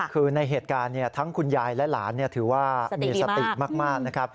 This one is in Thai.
คือในเหตุการณ์ทั้งคุณยายและหลานถือว่ามีสติมากนะครับ